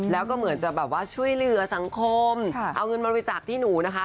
แล้วก็เหมือนจะแบบว่าช่วยเหลือสังคมเอาเงินบริจาคที่หนูนะคะ